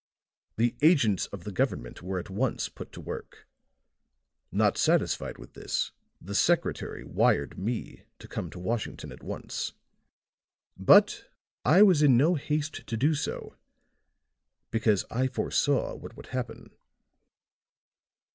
The agents of the government were at once put to work; not satisfied with this, the secretary wired me to come to Washington at once. But I was in no haste to do so, because I foresaw what would happen."